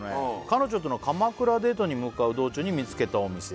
「彼女との鎌倉デートに向かう道中に見つけたお店」